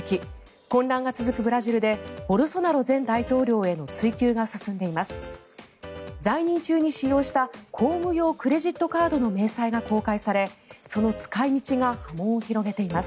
混乱が続くブラジルでボルソナロ前大統領への追及が進んでいます。